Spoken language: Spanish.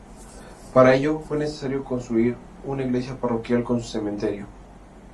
Para ello, fue necesario construir un iglesia parroquial con su cementerio.